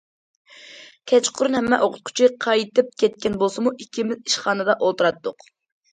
كەچقۇرۇن ھەممە ئوقۇتقۇچى قايتىپ كەتكەن بولسىمۇ، ئىككىمىز ئىشخانىدا ئولتۇراتتۇق.